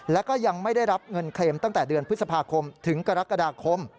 แล้วก็ยังไม่ได้รับเงินเคลมตั้งแต่เดือนพฤษภาคมถึงกรกฎาคม